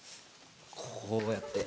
こうやって。